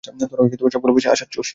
তোরা সবগুলো বসে আচার চুষ।